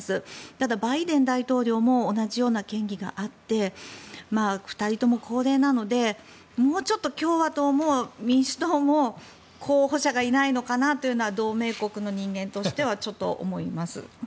ただ、バイデン大統領も同じような嫌疑があって２人とも高齢なのでもうちょっと共和党も民主党も候補者がいないのかなというのは同盟国の人間としてはちょっと思います。